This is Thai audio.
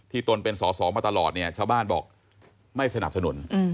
ตนเป็นสอสอมาตลอดเนี่ยชาวบ้านบอกไม่สนับสนุน